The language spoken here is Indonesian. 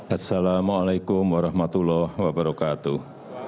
assalamu'alaikum warahmatullahi wabarakatuh